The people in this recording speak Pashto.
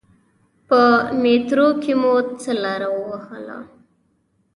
په میترو کې مو څه لاره و وهله.